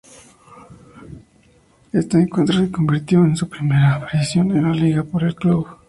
Este encuentro se convirtió en su primera aparición en la liga por el club.